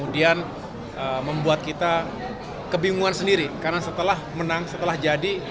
dan membuat kita kebingungan sendiri karena setelah menang setelah jadi